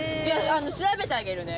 調べてあげるね。